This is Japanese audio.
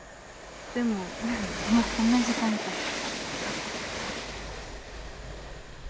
でももうこんな時間か。